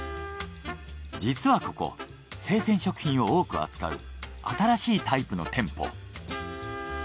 実はここ生鮮食品を多く扱う新しいタイプの店舗。